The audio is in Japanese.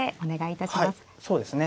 そうですね